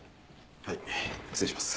はい失礼します。